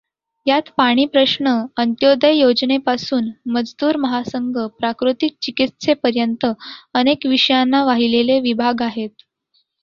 यात पाणी प्रश्न, अंत्योदय योजनेपासून, मजदूर महासंघ, प्राकृतिक चिकित्सेपर्यंत अनेक विषयांना वाहिलेले विभाग आहेत.